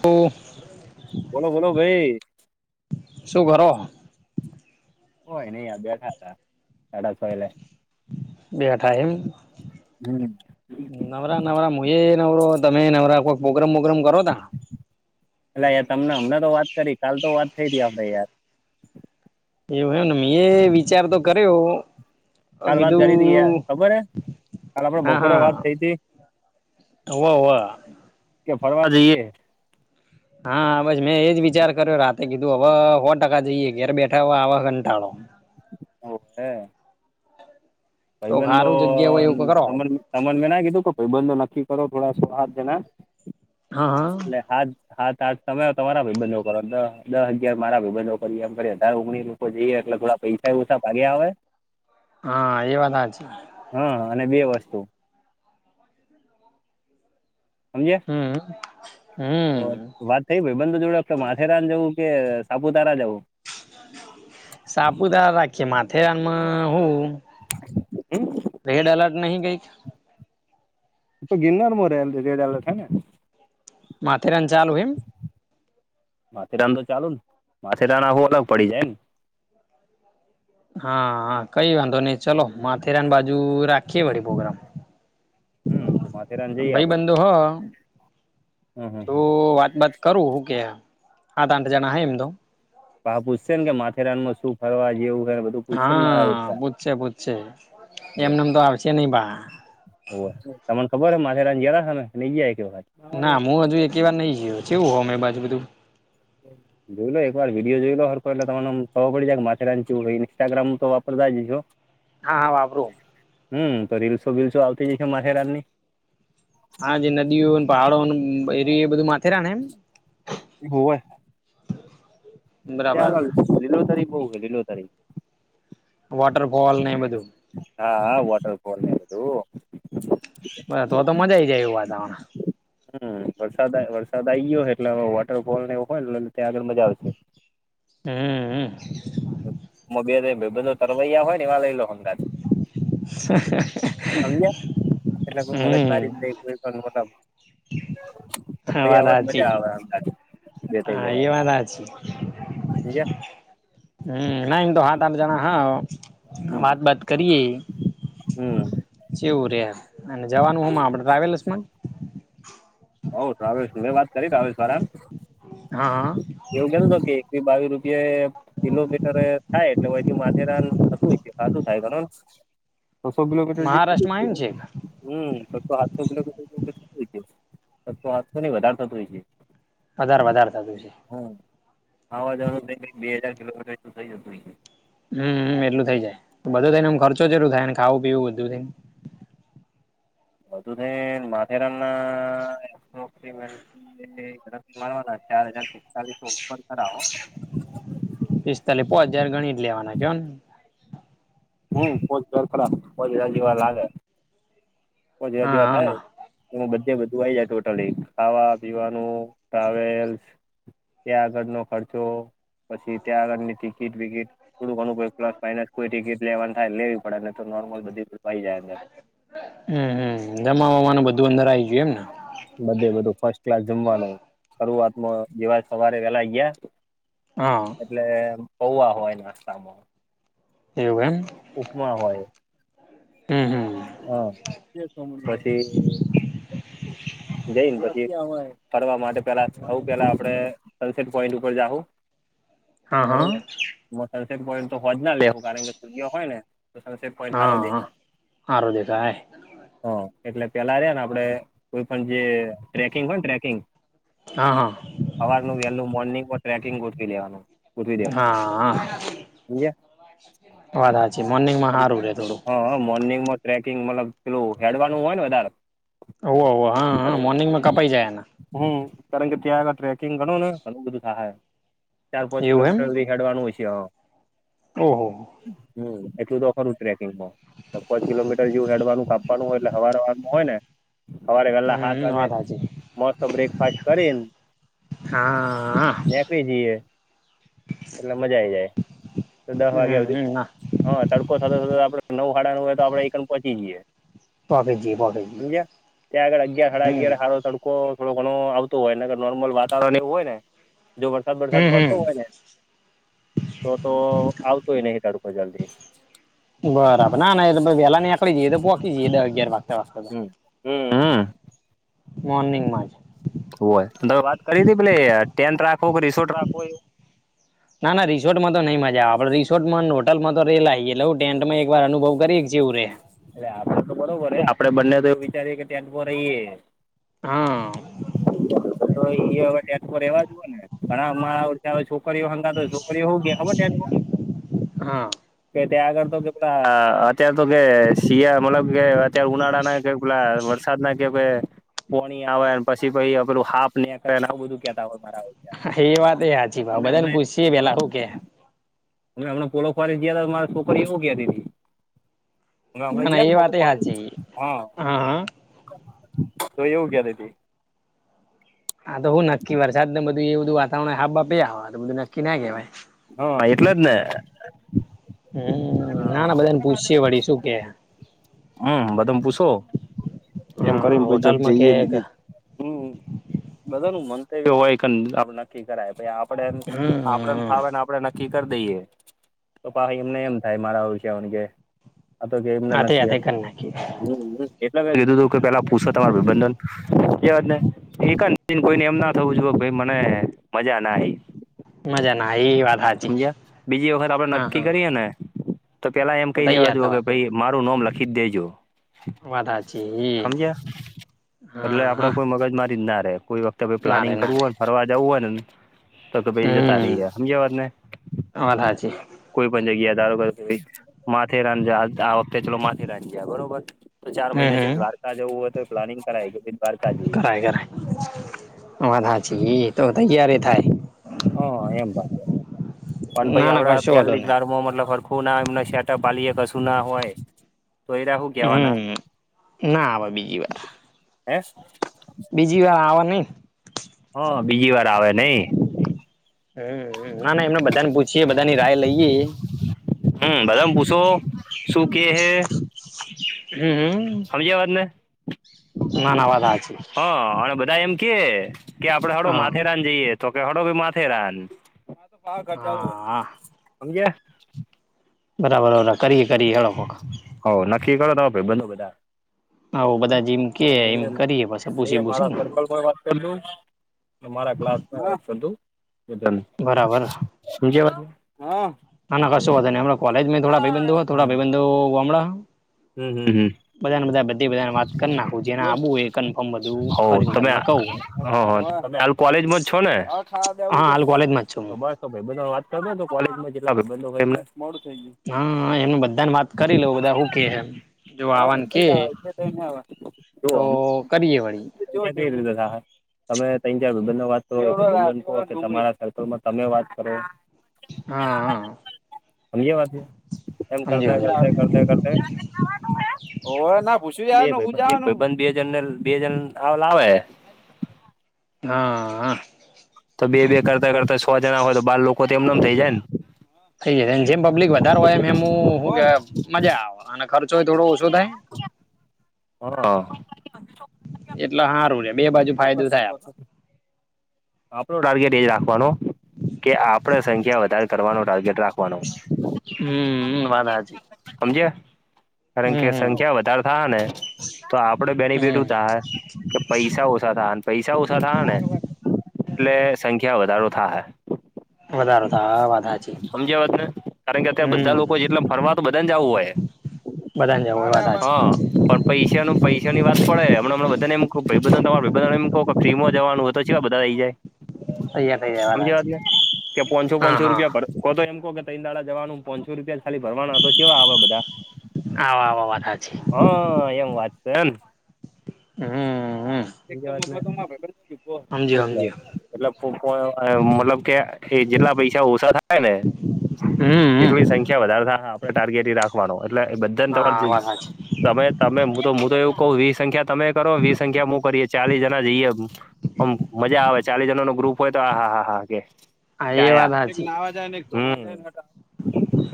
ટ [unintelligible] બોલો બોલો ભાઈ શું કરો કઈ નહીં આ બેઠા હતા સાડા છો એ લ બેઠા એમ હમ નવરા નવરા હું એ નવરો તમે નવરા કોઈ પોગ્રામ પોગ્રામ કરો તા એટલે તમને અમને તો વાત કરી કાલ તો વાત થઈ હતી આપે યાર એવું એમને એ વિચાર તો કર્યો કાલ વાત કરી હતી યાર કીધું ખબર હે કાલ આપણે હા બપોરે હા. વાત થઈ હતી હોવ હોવ કે ફરવા જઈએ હા બસ મેં એજ વિચાર કર્યો રાતે કીધું હવે સો ટકા જઈએ ઘેર બેઠા આવા કંટાળો હ હ તો ભાઈ બાંધો હારું જગ્યા હોય તો એવું કરો તમલ [unintelligible] તમને મેં ના કીધું કે ભાઈબંધો નક્કી કરો થોડો હાથ ના હા હા લે હાથ હા તાર તમે તમારા ભાઈબંધો કરો દસ હગિાર મારા ભબંધો કરી એમ અઢાર ઓગણીસું જઈએ એટલે પૈસા થોડાક ઓછા ભાગે આવે હા એ વાત હાચી હા અને બે વસ્તુ હ સમજ્યા હમ. તો હમ વાત થઈ ભાઈ બંધ જોડે માથેરાન જવું કે સાપુતારા જવું. સાપુતારા રાખીએ માથેરાનમાં હું. હમ. રેડ અલર્ટ નહી કઈક તો ગિરનાર માં રેડ એલર્ટ માથેરા ચાલુ એમ માથેરાન તો ચાલુ ને માથેરાન આવું અલગ પડી જાય ને હા હા કઈ વાંધો નહી ચલો માથેરાન બાજુ રાખીએ વળ પ્રગ્રામ હમ તો માથેરાન જઈએ ભાઈ આપડે બંધો હો હમ હમ જો હમ વાત બાત કરું હું કે સાત આઠ જણા હ એમ તો. પૂછશે કે માથેરાનમાં શું ફરવા જેવું છેધ. હા પૂછશે પૂછશે એમનેમ તો આવે છે નહી ભ. ઓ તમને ખબર હ માથેરાન ગયા તા તમે કે નહીં ગયા. ના હું હજુ એક વાર નઈ જયો કેવું હો અમે બાજુ બધું. હા. જોઈ લો એકવાર વિડીયો જોઈ લો હરખ એ તમવા પડી જાય કે માથેરાન ઇન્સ્ટાગ્રામ તો વાપરતા જશો. [inaudible] હા હા વાપરું. હમ તો રીલસો બીલસો આવતી જાય છે માથેરાત ની. હા જે નદીઓ પહાડો એર એ બધું માથેરા એમ. એ હોું હોય [unintelligible] બરાબર ત્યાં આગળ લીલો તારી બહુ છે લીલો તારી વાટર ફવાલ એમું. હા વાોટર ફોનું. બ તો તો મજા આઈ જાય એવું વાતાવણ. હમ વરસાદ વરસાદ આ ગયો હો એટલે હવે વોટરફોલ નેવ હોય ત્યાં આગળ મજાશે. હમ. હ બે બધો તરવૈયા હોય ને વા લઈ લો. સમજ એટ મગજ હમ મારી. હમ વાત ભૈયા હો હાચી મજા આવે અમદાજ. હા એ વાંધ છે. સમજ્યા હમ ના તો હાથ આપ જના હા વાત હમ બત. કરીએ હમ જેવું રહે અને જવાનું હમ આપણે ટ્રાવેલ્સ માં. હઉ ર્રાવેશ હુંવે વાત કરી ર્રાવેશ મારામ હા એવું કેધું તો કે. બાવીસ રૂપિયા. કિલોમીટર થાય એટલેથી માથેરાન થતું હોય છે ક શું થાય ઘ. છસો કિલોમીટર જે મહારાષ્ટ્રમાં આયુ ને છેક હમસો આઠસો કિલોમીટર. સસૈ સાતસૈ તો નની વધાર થતોું હોય છે. વધારે વધારે થતું છે. હમ આવા જવાનું ક બે હાજાર કિલોમીટરું થઈ જતું. હમમ એટલું થઇ જાય બધું થઈનેમ ખર્ચો જે એવું થાય ને ખાવું પીવું બધું થઈને. બધધ માથે રનાોક. મળવાના ચાર હજાર પિસ્તાલીસ ઓપન કરાવો. પિસ્તાલીસ પો હજાર ગણી જ લેવાના છે ને. હમ કોજ ઘર ખરા કોજ રજીવા લાગે કોજ હા રજીવા હા થાય. ના બધે બધું આવીય જાય ટોટલી ખાવા પીવાનું ટ્રાવેલ્સ. ત્યાં આગળ નો ખર્ચો. પછી ત્યાં આગળની ટિકિટ વિકિટ થોડું ઘું કો પ્લસ ફનસ કોઈ ટિકિટ. લેવન થાય લેવી પડે ને તો નોર્મલ બધીઈ જાય અંદર. હમમ જમાવામાનું બધું અંદર આવી ગયું એમ ને. બધે બધું ફર્સ્ટ ક્લાસ જમવાનું. શરૂઆતમાં જેવા સવારે વેલા ગયા. હા. એટલે પૌવા હોય નાસ્તામાં. એમ. ઉપમા હોય. હમ હમ. હા પછી. જઈને પછી ફરવા માટે પેલા આવ પેલા આપડે સનસેટ પોઈન્ટ ઉપર જાહુ. હા હા બરોબર સરરસેક પોઈન્ટ તો હોજ ના લેવું કારણ કે સૂર્ય હોય ને. તો સનસેટ પોઈન્ટ સારો હા આરોધ્ય કાય. હા એટલે પેલા ર ને આપડે કોઈ પણ જે ટ્રેકિંગ હોય ને ટ્રેકિંગ. હા હા. સવારનું વહેલું મોર્નિંગ ટ્રેકિંગ ગોઠવી લેવાનું. ગોઠવી દેવાનું હા. સમજ્યા વાધા છે મોર્નિંગમાં હારું રે તોડું. મોર્નિંગ ટ્રેકિંગ મતલબ પેલું હેડવાનું હોય ને વધારે. ઓવવ હા હા મોર્નિંગ કપ હ જાય ને. હમ કારણ કે ત્યાં આગળ ટ્રેકિંગ ગણો ને ઘું બધું સહાય ચાર પાંચ એવું કિલોમીટર. ખેડવાનું હોય છે. ઓહ. હમ એટલું તો ખરું ટ્રેકિંગમાં. ચ કિલોમીટર જેવ હેડવાનું કાવાનુંય એટલે હવા હવાનું હોય ને. સવારે ગેલા સાાત હમ વાગે વાત હાચી મોસ્ બ્રેકફાસ્ટ કરીને. હા. જી એટલે મજા આઈ જાય તો દસ વાગ્યા બધી. હમ ના હા તડકો સાથે થ આપડે નવ ખાડાનું હોય તો આપડે એક પણ પહોંચી જયએ. ભબીજીી ભબેજી. ગ અગયા ખડા ગયા. સારો તડકો થોડો ઘણો આવતો હોય ને નોર્મલ વાતાવરણ એવું હોય ને જો. વરસાદ વરસાદ હમ હમ પડતો હોય ને તો તો આવતો હોય નહી તડકો જલ્દી. બરાબર ના ના વેલા નીકળી જઈએ તો પોહકીી જઈએ અગિયાર વાગતા વાગતા તો. હમ હમ મર્નિંગમાંછ. હોયમે વાત કરી હતી પેલે ટેન્ટ રાખવો કે રિસોર્ટ રાખો એવ. ના ના રિસોર્ટ માં તો નઈ મજા આવે આપણે રિસોર્ટમાં હોટલમાં તો રેલાએટલે હ ટેન્ટ માં એક વાર અનુભવ કરીએ જેવું રે. અ આપડે તો બરોબર હ આપડે બંને તો વિચારીએ કે ટેન્ટ રહીએ. હા એ હ ટફર રેવા જ હોુઓ ને ઘણા. છોકરીઓ હંગાતો છોકરીઓ હો ગયા ખબર છે. હા કે ત્યાં આગળ તો કે પેલા અત્યારે તો કે શિયા મતલબ. કે અત્યારે ઉનાળા ના કે પેલા વરસાદ ના કે ભ. પોણી આવે પછી પછ પેલું હાપ નેક આવું બધું. કેતા હોય મારા એ વાત હચી ઓળખ્યા ભાવ અમે બધાને અમને પૂછી પેલા શું કે. હ હમણા પોલોખવારી જયા હતા મારે છોકરી એવું ગયા તી. ના ના ને એ બોલો વાત એ હાચી હા. તો એવું ક્યા દતી. આા તો હું નક્કી વરસાદ ને બધું એવ બધું વાતાવરણ હાબા પ બધું નક્કી ના કહેવાય. હા એટલે જ ને. હમ નાના બધા ને પૂછી વળી શું કે. હમ બધામ પૂછો. એમ હા કરીને જોગ હોટલમાં કે જઈએ બીજ હમ બધા ન મંતવ્ય હોય કે આપડે નક્કી કરાય પ આપડ આપને હમ ફાવે ને આપડે નક્કી કરી દઈએ તો પી એમને એમ થાય મારાષ કે આ તો કે એમને હાથે નક્કી. હાથે કરી નાખી એટલે ક કીધું તું કે પેલા પૂછો તમારા વિબંધન ક વાત ને એક જ કોઈને એમ ના થવું જોઈએ મને મજા ના. મજા ના એ વાત હાચી સમજ્યા બીજી વખત આપડે હા નક્કી હા કરીએ ને. તો પેલા એમ તો કહી દેવા તૈયાર જો કે થવા ભાઈ મારું નોમ લખી જ દેજો. વાત હાચી એ સમજ્યા એટલે હા આપડે હા કોઈ મગજ મારી જ ના રે કોઈ વત તો ના પ્લાનિંગ રે ના કરવું રે હોયને ફરવા જવું હોય ને તો ક ભે જતા હમ રહી હ સમજવાદ ને વાત હાચી કોઈ પણ જગ્યા ધારો કર માથે રા આ વખતે ચલો માથે રાની જાય બરોબર તો ચાર હમ મહિના છે હમ દ્વારકા જવું હોય તો પ્લાનિંગ કરાય કે દ્વારકા જઈએ ટાઈગર વાધા છેી એ તોધ ગય્યારે થાય. હ એમ વાત પણ ભ ના ના આપણા કશો વાંધો પહેલી જ નહી વારમાં મતલબ સરખું ના એમ શેટપ વાલીએ કશું ના હોય તોઈ રાખું કેહેવાના હમ ના આવે બીજી વાર હે બીજી વાર આવવા નઈ હ બીજી વાર આવે નઈ હમ ના ના એમને બધા ને પૂછીયએ બધાની રાય લઈએ હમ બધાને પૂછો શું કે હે હમ વાને ના ના વાત હાચી હ બધા એમ કે કે આપડે હળો હા માથેરાન જઈએ તો કે હળો ભી માથેરાન ખર્જા આવું હા અમગ. બરાબરરા કરીએ કરી હળો. હ નક્કી કરો તો ભાઈ બ બધા. આવું બધા જેમ કે એમ કરીએ પછી પૂછી મારા પૂછીને સર્કલમાં વા. રા ક્લાસુંધન. બરાબર શજવા હા. ના ના કશું વધ ન મં કોલેજ થોડા ભાઈ બંધ થોડા ભાઈ બંધ હ. હમ હમ હમ. વાત કરી નાખું જેને હ આવું એ કન્ફર્મ બધું કરીને તમે તમને કહું હ હ તમે. કોલેજ જ છો ને હા બસ. હાલ કોલેજમાં જ છું તો હું ભાઈ બ વાત કર તો કોલેજમાં જેટલા ભ બંધ થું. હા એમને બધા ને વાત કરી લઉ બધા હું કેમ. જો હા આવવાન થઈ કે જવા એટલે તો એને હવે તો કરીએે વળી. સા. તમે ત જ વિભ વાત કે તમારા સર્કલમાં તમે વાત કરો. એ હા હા વાત છે એમ કર હમજ્યો હમજ્યો કર કર કર. ઓ ના પૂછ્યું બે હજાર બે હજાર લ આવેે. હા. તો બે બે કરતા કરતા સો જણા હોય તો બાર લોકો તો એમનેમ થઇ જાય ને. થઈ જ જેમ પબ્લિક વધારે હોય એમ એમ શું બોલ મજા આવે અને ખર્ચો થોડો ઓછો થાય. હા. એટલે સારું રે બે બાજુ ઘર ફાયદો થાય પહછ. આપડો આપણો ટાર્ગેટ એજ રાખવાનો કે આપડ. સંખ્યા વધાર કરવાનો ટાર્ગેટ રાખવાનો. હમ વાધાજી. સમજ. કારણ કે હમ સંખ્યા વધારે થા ને તો આપડે બેનિફિટ હમ થા હ. કે પૈસા ઓછા થા પૈસા ઓછા થા ને એટલે સંખ્યા વધારો થા હ. વધારે થાહ એ વાત સાચી સમજ્યા વાત ને કારણ કે અત બધા લોકો જેટલા ફરવા તો બધાને જવું હોય બધાને જવું હોય વાત હા હાચી પણ. પૈસાનું પૈસાની વાત પડે હમણા હણાં બધનેમ તમા એમ કહ કે ફ્રીમાં જવાનું હો તો સવાય બધા રઈ જાય. તૈયાર થઈ જાય વાત હાચી સમજવાતી કે પોંસો હા પોંસો હા રૂપિયા પડ કો તો એમ કહ ત દાડા. જવાનું પોંચસો રૂપિયા ખાલી ભરવાના તો કેવા આવે બધા. આ આ વાતા છે. હ એમ વાત છે એમ. હમ હમ. એટલે હમજ્યો હમજ્યો એટલે મતલબ. કે એ જેટલા પૈસા ઓછા થાય ને. હમ હમ એટલી સંખ્યા વધારે થાય આપણે ટાર્ગેટ રાખવાનો એટલે બધાને તમાર. હા વાત હાચી તમે તમે તો હું તો એવું કહુ વી સંખ્યા તમે કરો વી સંખ્યા મુ. ચાલીસ જણા જઈએ આમ મજા આવે ચાલીસ જણા નો ગ્રુપ હોય તો હા હા હા હા કે. હા એ કયા વાત એક હાચી નાવા જાય.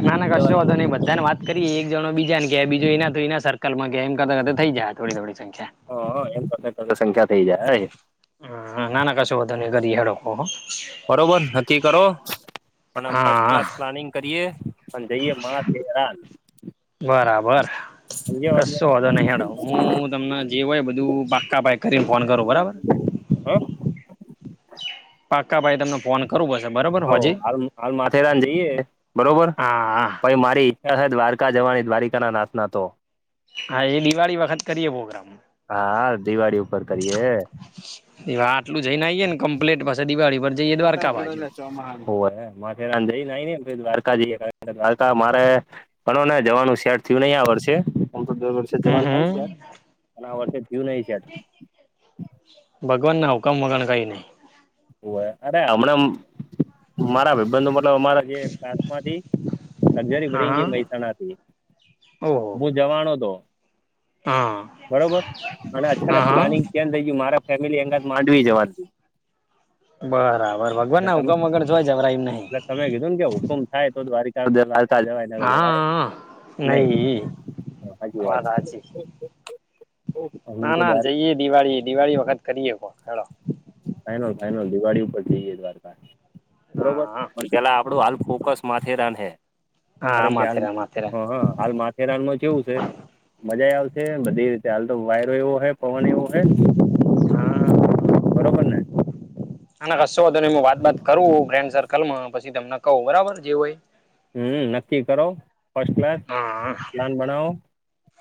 ના ના જાય કશું વધું નઈ બધા ને વાત. કરી એક જણો બીજાને કેયા બીજો એના એના સર્કલમાં કે એમ કરતાં કરતા થઈ જાય થોડી થોડી સંખ્યા. હ એમ કરતાં ને કરત સંખ્યા થઈ જાય. હમ ના ના કશું હોધ નને ગરી હેડો. હ હ. બરોબર નક્કી કરો અને ફસ્ટ હા ક્લાસ પ્લાનિંગ કરીએ. મા [unintelligible] કેરાલ. બરાબર. વાત કસો ને વોધો નહી હેડાવ હું તમને જે હોય બધું પાક્કા ભાઈ કરીને ફોન કરું બરાબર હ. પાકા ભાઈ તમને ફોન કરું બસ હ હાલ હાલ માથેરાન જઈએ બરોબર હા પહી મારી. દ્વારકા જવાની દ્વારીકા ના નાથના તો હા એ દિવાળી વખત કરીએ પ્રોગ્રામ હા દિવાળી ઉપર કરીએ. દ આટલું જઈને આઈએેને કમ્પ્લેટ પાછી દિવાળી પર જઈએ પણ તાર દ્વારકા કર લ બાજુ ચોમાહા ઓ અંદરે [unintelligible] જઇ ના અ ન પહી દ્વારકા જઈએ [unintelligible] દ્વારકા મારે બનો જવાનું શેટ થયું નહી આવ વર્ષે. કોમ્પ્યુટર વર્ષે હમ જવાન હમ થાય છે યાર અને આ વર્ષે થ્યુ નહી શેટ ભગવાન ના હોકમ વગર કઈ નહી. ય અરે હમણાં મારા અ ભય બંધ મતલબ અમારા કમાંથી લગઝરી હા હા ભરીંગી મહેસાણા થી. ઓહો હું જવાનો હતો હા બરાબર અને હા અચાનક પ્લાનિંગ હા કેમ થઈ ગય મારા ફેમિલી અંગત માંડવી જવા દ બરાબર ભગવાન એટલે ના તમે હુકમ વગર જોય જબરાઈમ નહી.. એટલે તમે કીધું ને કે હુકુમ થાય તો દ્વારિક વાતા જવાય જવાય નહી. વા વાત છે સાચી, હમ ના તો ના દ્વારકા જઈએ દિવાળી દિવાળી વખત કરીએ વા કોક હેડો. ફાઈનલ ફાઈનલ દિવાળી ઉપર જઈએે દ્વારકા હા બરોબર હા પણ પેલા આપડું હાલ ફોકસ માથેરાન હા કારણ કે માથેરાન હ માથેરાન હ હ હાલ મા ખેરાલુ જેવું છે મજા આવશે બધી રીતે હાલ તો વાયરો એવો હૈ પવન એવો હૈ હા બરોબર ને નાના કસ્સો વાંધો નઈ હું વાત બાત કરું ફ્રેન્ડ સર્કલ માં પછી તમને કૌ બરાબર જે હોય એ. હમ નક્કી કરો ફસ્ટ ક્લાસ હા પ્લાન બનાવો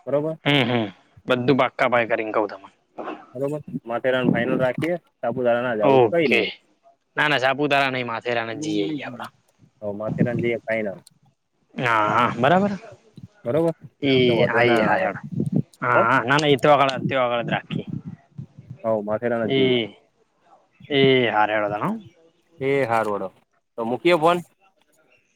બરોબર હમ હમ બધું બાકા ભાઈ કરીને કઉ તમે બરોબર માથે રા ફાઈનલ રાખીએ સાપુતારા ના જાવું તો કઈ ઓકે નઈ. ના ના સાપુતારા નહી માથેરાને જ જીઆઇ આપડા હવ માથેરાન જઈએ ફાઈનલ હા હા બરાબર બરોબર એ એટલે હ વાંધો ના હા આવે હડ હો હા ના નઈ ગળ અ હતીવાગળદ રાકી હવ માથેરાન જ એ એ હાર રેવાદ ન એ હાર વડો તો મૂકીયો ફોન